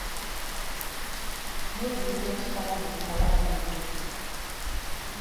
No be yi don stat wit yi palava again.